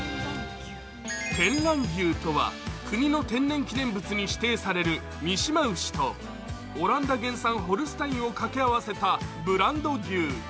見蘭牛とは、国の天然記念物に指定される見島牛とオランダ原産ホルスタインを掛け合わせたブランド牛。